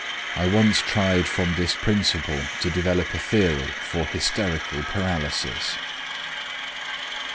I once tried from this principle to develop a theory for hysterical paralysis.